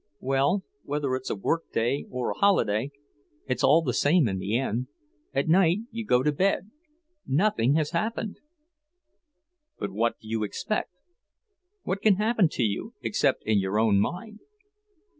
Well, whether it's a workday or a holiday, it's all the same in the end. At night you go to bed nothing has happened." "But what do you expect? What can happen to you, except in your own mind?